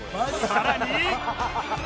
さらに